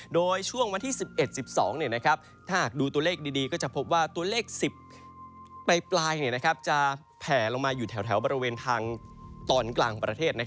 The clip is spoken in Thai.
โดยช่วงวันที่๑๑๑๒ถ้าหากดูตัวเลขดีก็จะพบว่าตัวเลข๑๐ปลายจะแผ่ลงมาอยู่แถวบริเวณทางตอนกลางประเทศ